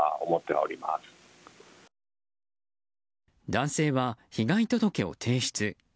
男性は被害届を提出。